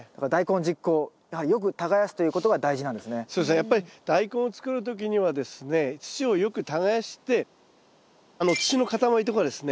やっぱりダイコンを作る時にはですね土をよく耕して土の塊とかですね